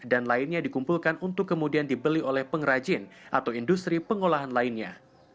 dan lainnya dikumpulkan untuk kemudian dibeli oleh pengrajin atau industri pengolahan lainnya